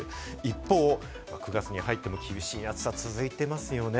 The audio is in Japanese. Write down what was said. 一方、９月に入っても厳しい暑さは続いていますよね。